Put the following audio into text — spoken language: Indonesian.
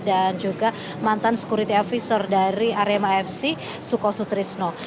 dan juga mantan security officer dari rmafc suko sutrisno